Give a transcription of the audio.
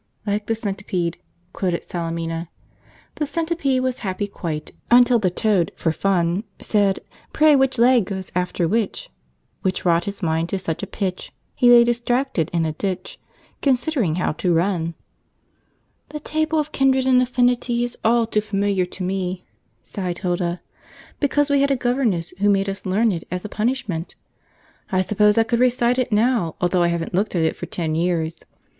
"Like the centipede," quoted Salemina: "'The centipede was happy quite Until the toad, for fun, Said, "Pray, which leg goes after which?" Which wrought his mind to such a pitch, He lay distracted in a ditch Considering how to run!'" "The Table of Kindred and Affinity is all too familiar to me," sighed Hilda, "because we had a governess who made us learn it as a punishment. I suppose I could recite it now, although I haven't looked at it for ten years.